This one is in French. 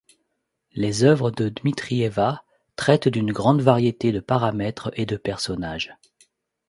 Les œuvres de Dmitrieva traitent d'une grande variété de paramètres et de personnages.